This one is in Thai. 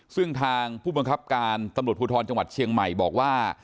ซึ่งทางผู้บังคับการตำรวจภูทรจังหวัดเชียงใหม่บอกว่า